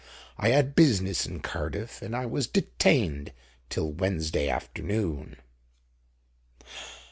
I had business in Cardiff, and I was detained till Wednesday afternoon."